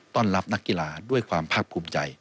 ต้อนรับนักกีฬาด้วยความภาคภูมิใจ